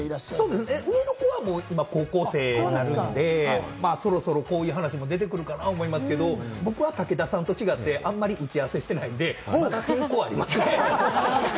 上の子が高校生になるんで、そろそろこういう話も出てくるかなぁと思いますけど、僕は武田さんと違って、打ち合わせしてないんで、ちょっと。